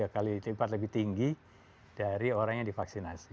tiga kali lipat lebih tinggi dari orang yang divaksinasi